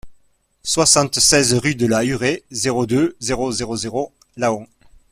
soixante-seize rue de la Hurée, zéro deux, zéro zéro zéro, Laon